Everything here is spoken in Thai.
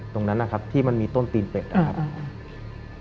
ตรงนั้นนะครับที่มันมีต้นตีนเป็ดนะครับ